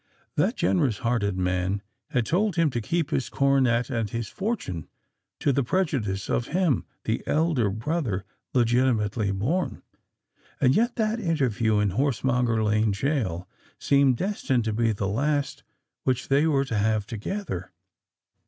That generous hearted man had told him to keep his coronet and his fortune to the prejudice of him—the elder brother, legitimately born; and yet that interview in Horsemonger Lane Gaol seemed destined to be the last which they were to have together!